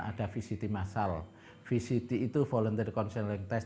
ada vct masal vct itu volunteer concentrating test